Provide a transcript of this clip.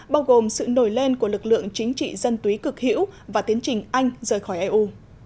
bao gồm sự nổi lên của lực lượng chính trị dân túy cực hữu và tiến trình anh rời khỏi eu